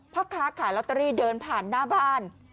พ่อค้าขายลอตเตอรี่เดินผ่านหน้าบ้าน